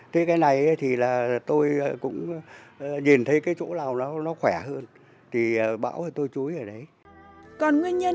thế cái này thì là tôi cũng nhìn thấy cái chỗ nào nó khỏe hơn thì bão thì tôi chú ý ở đấy